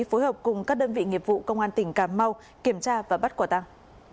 phối hợp cùng các đơn vị nghiệp vụ công an tỉnh cà mau kiểm tra và bắt quả tăng